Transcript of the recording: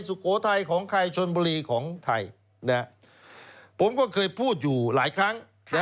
สุโขทัยของใครชนบุรีของไทยผมก็เคยพูดอยู่หลายครั้ง